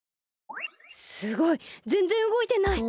すごいぜんぜんうごいてない！